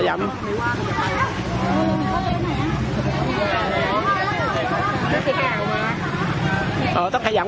หัวให้ออกอะไรวะ